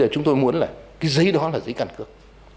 chúng tôi muốn là cái giấy đó là giấy căn cước